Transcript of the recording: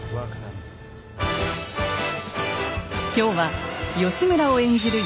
今日は義村を演じる